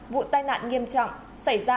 vụ tai nạn nghiêm trọng xảy ra